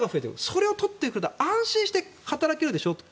それを取っていくと安心して働けるでしょと。